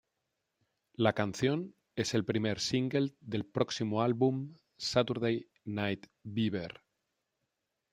La canción es el primer single del próximo álbum "Saturday Night Beaver".